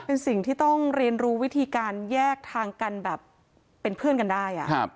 เป็นสิ่งที่ต้องเรียนรู้วิธีการแยกทางกันแบบเป็นเพื่อนกันได้